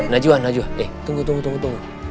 najwa najwa tunggu tunggu tunggu